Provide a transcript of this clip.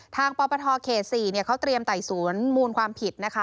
ทางปพเขาเตรียมไต่ศูนย์มูลความผิดนะคะ